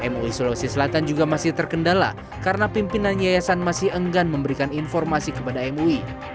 mui sulawesi selatan juga masih terkendala karena pimpinan yayasan masih enggan memberikan informasi kepada mui